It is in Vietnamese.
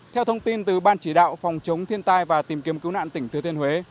theo thông tin từ ban chỉ đạo phòng chống thiên tai và tìm kiếm cứu nạn tỉnh thừa tiên huế